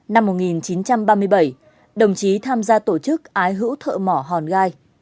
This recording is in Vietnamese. năm một nghìn chín trăm ba mươi bảy đồng chí tham gia tổ chức ái hữu thợ mỏ hòn gai